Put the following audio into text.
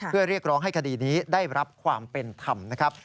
เพื่อเรียกร้องให้คดีนี้ได้รับความเป็นธรรมนะครับ